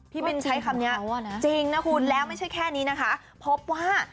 พี่บินใช้คำนี้จริงนะคุณแล้วไม่ใช่แค่นี้นะคะพบว่า